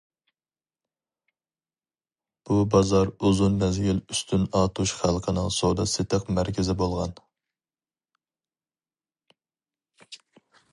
بۇ بازار ئۇزۇن مەزگىل ئۈستۈن ئاتۇش خەلقىنىڭ سودا- سېتىق مەركىزى بولغان.